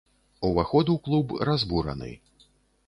Уваход у клуб разбураны.